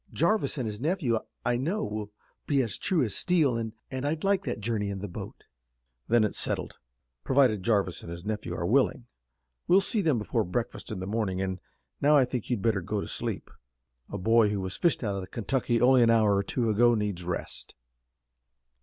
Jarvis and his nephew, I know, will be as true as steel, and I'd like that journey in the boat." "Then it's settled, provided Jarvis and his nephew are willing. We'll see them before breakfast in the morning, and now I think you'd better go to sleep. A boy who was fished out of the Kentucky only an hour or two ago needs rest."